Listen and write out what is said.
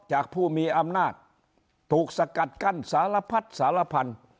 จากผู้มีอำนาจถูกสกัดกั้นสารพัดสารพันธุ์